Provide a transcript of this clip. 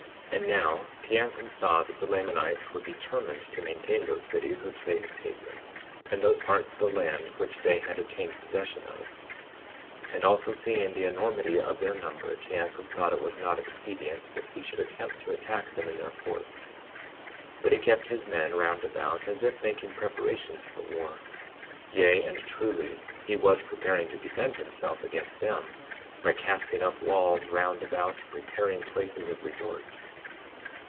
52:5 And now, Teancum saw that the Lamanites were determined to maintain those cities which they had taken, and those parts of the land which they had obtained possession of; and also seeing the enormity of their number, Teancum thought it was not expedient that he should attempt to attack them in their forts. 52:6 But he kept his men round about, as if making preparations for war; yea, and truly he was preparing to defend himself against them, by casting up walls round about and preparing places of resort.